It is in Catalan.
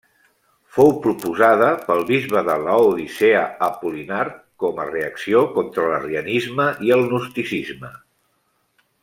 Fou proposada pel bisbe de Laodicea Apol·linar com a reacció contra l'arrianisme i el gnosticisme.